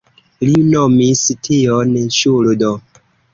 Li nomis tion ŝuldo.